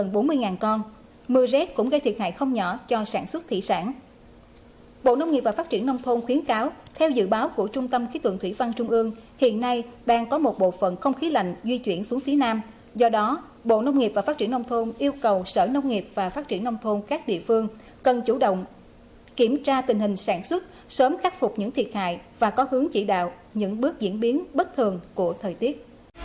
bộ nông nghiệp và phát triển nông thôn khuyến cáo theo dự báo của trung tâm khi tượng thủy văn trung ương hiện nay đang có một bộ phận không khí lạnh di chuyển xuống phía nam do đó bộ nông nghiệp và phát triển nông thôn yêu cầu sở nông nghiệp và phát triển nông thôn các địa phương cần chủ động kiểm tra tình hình sản xuất sớm khắc phục những thiệt hại và có hướng chỉ đạo những bước diễn biến bất thường của thời tiết